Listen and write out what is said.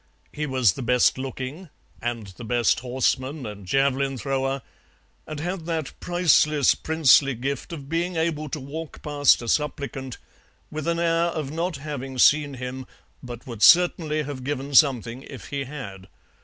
He was the best looking, and the best horseman and javelin thrower, and had that priceless princely gift of being able to walk past a supplicant with an air of not having seen him, but would certainly have given something if he had.